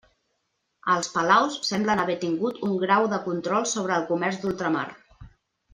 Els palaus semblen haver tingut un grau de control sobre el comerç d'ultramar.